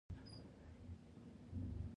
د پلار زړښت ته درناوی اړین دی.